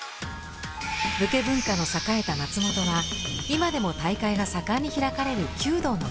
武家文化の栄えた松本は今でも大会が盛んに開かれる弓道の町。